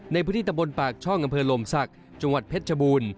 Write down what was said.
ในพื้นที่ตะบนปากช่องอำเภอลมศักดิ์จังหวัดเพชรชบูรณ์